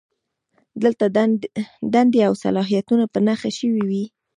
دلته دندې او صلاحیتونه په نښه شوي وي.